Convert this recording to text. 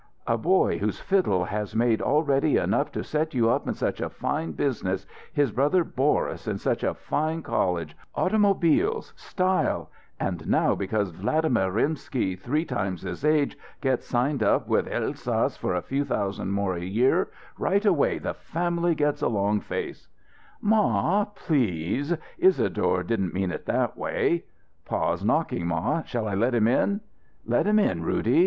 A boy whose fiddle has made already enough to set you up in such a fine business, his brother Boris in such a fine college, automobiles style and now because Vladimir Rimsky, three times his age, gets signed up with Elsass for a few thousand more a year, right away the family gets a long face " "Ma, please; Isadore didn't mean it that way!" "Pa's knocking, ma; shall I let him in?" "Let him in, Roody.